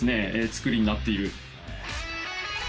つくりになっている。